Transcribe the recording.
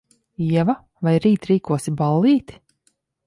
Ieva, vai rīt rīkosi ballīti?